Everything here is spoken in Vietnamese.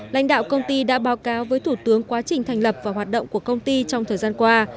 lãnh đạo công ty đã báo cáo với thủ tướng quá trình thành lập và hoạt động của công ty trong thời gian qua